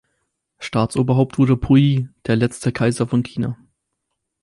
Staatsoberhaupt wurde Puyi, der letzte Kaiser von China.